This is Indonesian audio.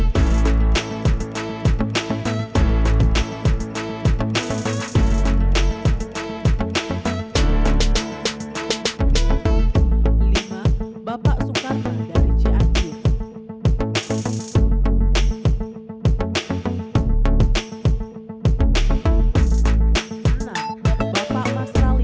bapak mas rali dari batam